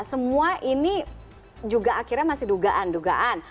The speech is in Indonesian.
semua ini juga akhirnya masih dugaan dugaan